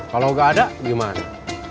kalau gak ada gimana